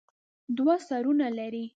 دوه سرونه لري.